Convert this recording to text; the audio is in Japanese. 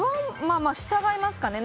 従いますかね。